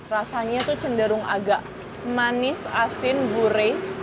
rasanya tuh cenderung agak manis asin gurih